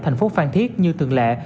thành phố phan thiết như thường lệ